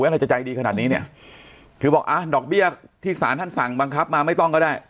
อะไรจะใจดีขนาดนี้เนี่ยคือบอกอ่ะดอกเบี้ยที่สารท่านสั่งบังคับมาไม่ต้องก็ได้